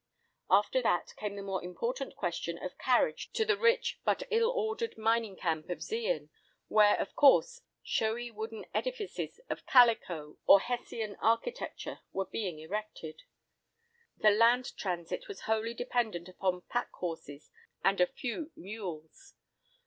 After that, came the more important question of carriage to the rich, but ill ordered mining camp of Zeehan, where, of course, showy wooden edifices, of calico, or hessian architecture were being erected. The land transit was wholly dependent upon pack horses and a few mules.